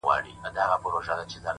o ډيره مننه مهربان شاعره؛